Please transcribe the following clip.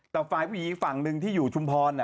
แต่ฝ่ายผู้หญิงอีกฝั่งหนึ่งที่อยู่ชุมพร